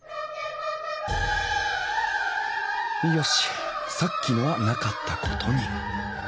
よしさっきのはなかったことに。